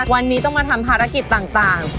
วันนี้ต้องมาทำภารกิจต่าง